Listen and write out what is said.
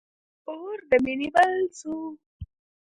اور د مینی بل سو